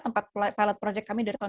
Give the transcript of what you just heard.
tempat pilot project kami dari tahun dua ribu